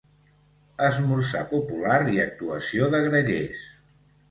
Esmorzar popular i actuació de grallers.